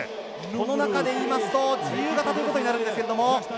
この中でいいますと、自由形ということになるんですけども。